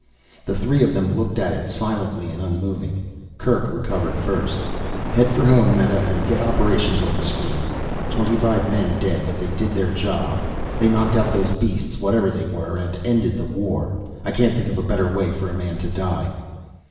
The three of them looked at it, silently and unmoving. Kerk recovered first. "Head for home, Meta, and get operations on the screen. Twenty five men dead, but they did their job. They knocked out those beasts whatever they were and ended the war. I can't think of a better way for a man to die."